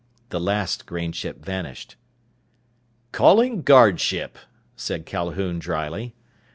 The last grain ship vanished. "Calling guard ship," said Calhoun dryly.